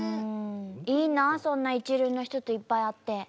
いいなそんな一流の人といっぱい会って。